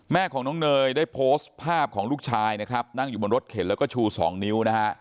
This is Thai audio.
แม่ของน้องเนยได้โพสต์ภาพของลูกชายนะครับนั่งอยู่บนรถเข็นแล้วก็ชูสองนิ้วนะฮะ